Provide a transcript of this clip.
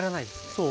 そう。